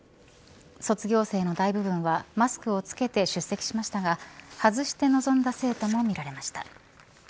卒業生の大部分はマスクを着けて出席していましたが外して臨んだ生徒も見られました。